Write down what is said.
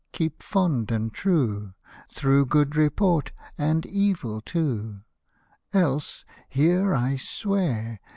Keep fond and true, Through good report, And evil too. Else, here I swear.